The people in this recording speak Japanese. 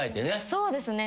そうですね。